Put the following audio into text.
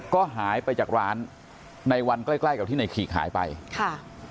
ก็หายไปจากร้านในวันใกล้ใกล้กับที่ในขีกหายไปค่ะ